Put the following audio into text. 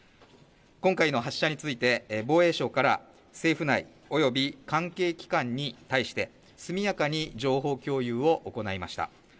今回の発射について、防衛省から政府内、および関係機関に対して、速やかに情報共有を行いました。